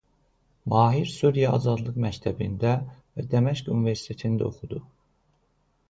Mahir Suriya Azadlıq məktəbində və Dəməşq universitetində oxudu.